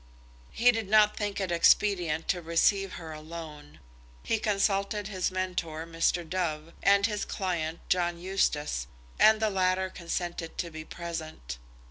He did not think it expedient to receive her alone. He consulted his mentor, Mr. Dove, and his client, John Eustace, and the latter consented to be present.